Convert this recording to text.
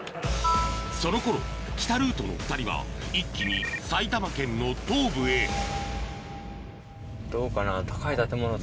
その頃北ルートの２人は一気に埼玉県の東部へどうかな？